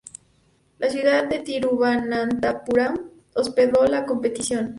La ciudad de Thiruvananthapuram hospedó la competición.